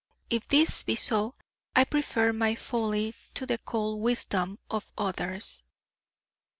If this be so, I prefer my folly to the cold wisdom of others.